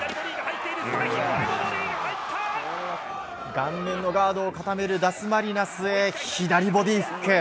顔面のガードを固めるダスマリナスへ左ボディーフック！